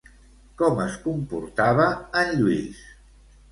Com es comportava en Lluís?